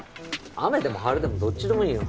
雨でも晴れでもどっちでもいいよ。